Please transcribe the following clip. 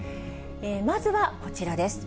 まずはこちらです。